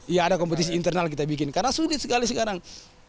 ya ada kompetisi internal kita bikin karena sulit sekali sekarang